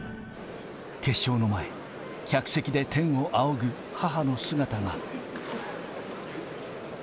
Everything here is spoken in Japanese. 決勝の前、客席で天をあおぐ母の姿が。